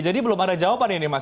jadi belum ada jawaban ini mas